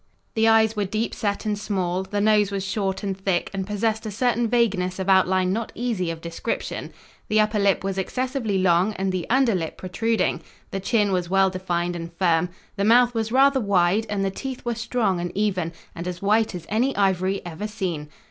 The eyes were deep set and small, the nose was short and thick and possessed a certain vagueness of outline not easy of description. The upper lip was excessively long and the under lip protruding. The chin was well defined and firm. The mouth was rather wide, and the teeth were strong and even, and as white as any ivory ever seen.